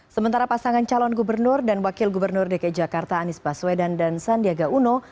sementara pasangan calon gubernur dan wakil gubernur dki jakarta anies baswedan dan sandiaga uno